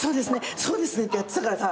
そうですねってやってたからさ。